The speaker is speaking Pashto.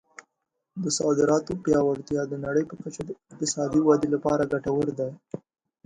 د صادراتو پیاوړتیا د نړۍ په کچه د اقتصادي ودې لپاره ګټور دی.